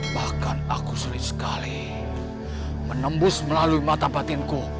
bahkan aku sering sekali menembus melalui mata batinku